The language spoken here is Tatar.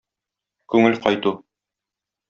Күңел кайту